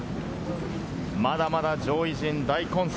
まだまだ上位陣、大混戦。